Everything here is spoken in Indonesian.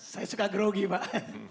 saya suka grogi pak